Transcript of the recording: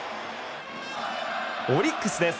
オリックスです。